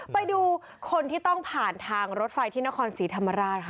ไปดูคนที่ต้องผ่านทางรถไฟที่นครศรีธรรมราชค่ะ